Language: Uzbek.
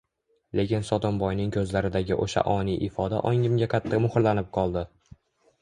Lekin Sotimboyning koʻzlaridagi oʻsha oniy ifoda ongimga qattiq muhrlanib qoldi.